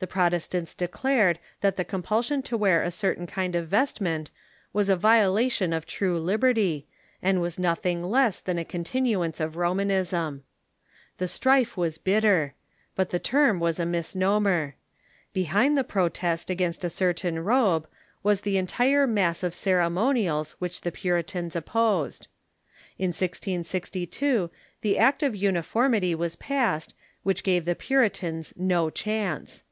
The Protestants declared that the compulsion to "wear a certain kind of vestment was a violation of true lib erty, and was nothing less than a continuance of Romanism. The strife was bitter. But the term was a misnomer. Behind 298 THK MODERN CHURCH the protest against a certain robe was the entire mass of cere monials which the Puritans opposed. In 1662 the Act of Uni formity was passed, which gave the Puritans no chance.